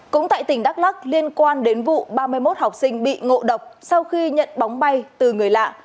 cũng tại tỉnh đắk lắc liên quan đến vụ ba mươi một học sinh bị ngộ độc sau khi nhận bóng bay từ người lạ